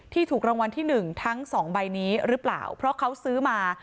ถูกรางวัลที่หนึ่งทั้งสองใบนี้หรือเปล่าเพราะเขาซื้อมา